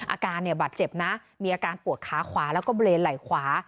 อาการเนี่ยบาดเจ็บนะมีอาการปวดขาขวาแล้วก็เบรนไหล่ขวา